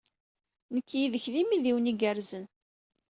Nekk yid-k d imidiwen igerrzen.